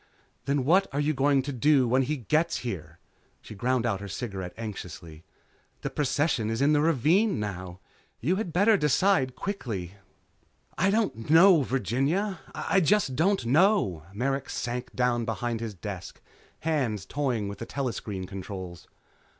"Then what are you going to do when he gets here?" She ground out her cigarette anxiously. "The procession is in the ravine now. You had better decide quickly." "I don't know, Virginia. I just don't know." Merrick sank down behind his desk, hands toying with the telescreen controls.